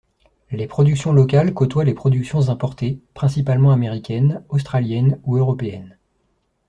Les productions locales côtoient les productions importées, principalement américaines, australiennes ou européennes.